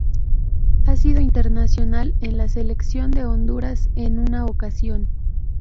Ha sido internacional con la Selección de Honduras en una ocasión.